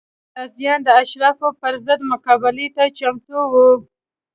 دغه ناراضیان د اشرافو پر ضد مقابلې ته چمتو وو